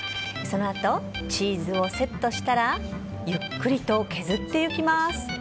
そのあと、チーズをセットしたら、ゆっくりと削ってゆきます。